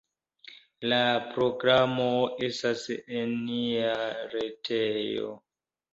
La programo estas en nia retejo.